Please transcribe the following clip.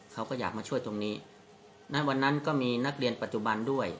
เขาก็อยากมาช่วยตรงนี้ณวันนั้นก็มีนักเรียนปัจจุบันด้วย